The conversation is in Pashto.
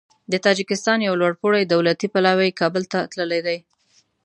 د تاجکستان یو لوړپوړی دولتي پلاوی کابل ته تللی دی.